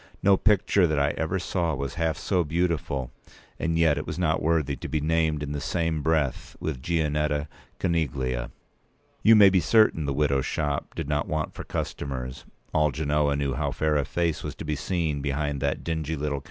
No picture that I ever saw was half so beautiful, and yet it was not worthy to be named in the same breath with Gianetta Coneglia. You may be certain the widow's shop did not want for customers. All Genoa knew how fair a face was to be seen behind that dingy little p.